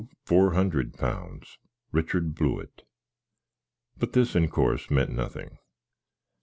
four hundred pounds, Richard Blewitt:" but this, in cors, ment nothink.